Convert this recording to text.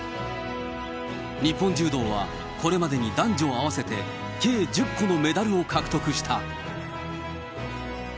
日本柔道はこれまでに男女合わせて計１０個のメダルを獲得した。